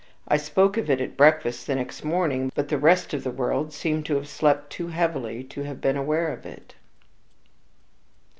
I spoke of it at breakfast the next morning; but the rest of the world seemed to have slept too heavily to have been aware of it.